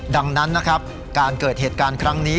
ดังนั้นนะครับการเกิดเหตุการณ์ครั้งนี้